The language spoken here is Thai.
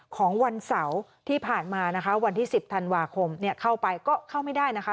ของวันเสาร์ที่ผ่านมานะคะวันที่๑๐ธันวาคมเข้าไปก็เข้าไม่ได้นะคะ